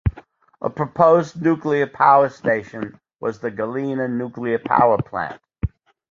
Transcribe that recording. A proposed nuclear power station was the Galena Nuclear Power Plant.